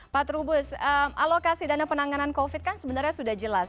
pak trubus alokasi dana penanganan covid kan sebenarnya sudah jelas